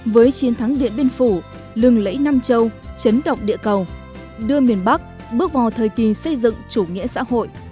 với chiến thắng điện biên phủ lừng lẫy nam châu chấn động địa cầu đưa miền bắc bước vào thời kỳ xây dựng chủ nghĩa xã hội